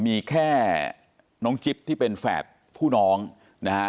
มีแค่น้องจิ๊บที่เป็นแฝดผู้น้องนะฮะ